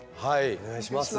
お願いします。